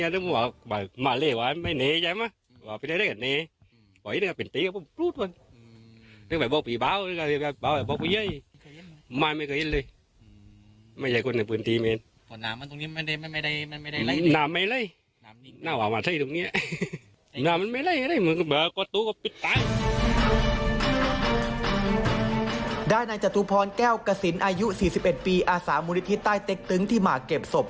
นายจตุพรแก้วกระสินอายุ๔๑ปีอาสามูลนิธิใต้เต็กตึงที่มาเก็บศพ